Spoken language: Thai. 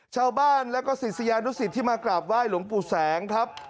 ชาวบ้านแล้วก็ศิษยานุสิตที่มากราบไหว้หลวงปู่แสงครับ